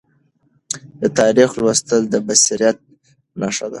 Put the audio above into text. د تاریخ لوستل د بصیرت نښه ده.